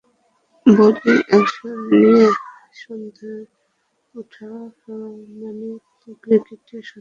Bowling action নিয়ে সন্দেহ ওঠা মানে তো ক্রিকেটার সত্তা নিয়েই টানাটানি।